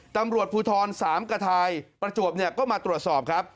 ตำรวจภูทรสามกระทายประจวบก็มาตรวจสอบครับ